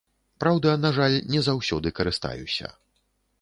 Праўда, на жаль, не заўсёды карыстаюся.